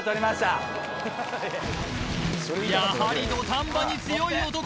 やはり土壇場に強い男！